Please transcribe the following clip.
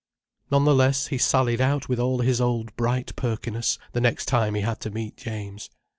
None the less he sallied out with all his old bright perkiness, the next time he had to meet James.